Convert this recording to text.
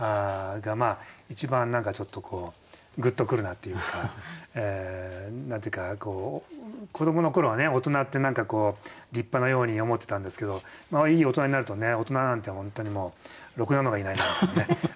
一番ちょっとグッと来るなっていうか何て言うか子どもの頃は大人って何かこう立派なように思ってたんですけどいい大人になるとね大人なんて本当にもうろくなのがいない。